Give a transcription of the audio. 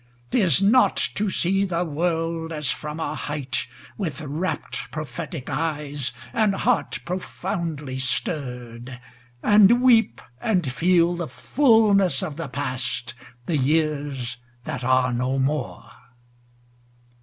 'Tis not to see the world As from a height, with rapt prophetic eyes, And heart profoundly stirr'd; And weep, and feel the fulness of the past, The years that are no more.